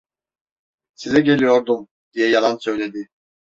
"Size geliyordum!" diye yalan söyledi.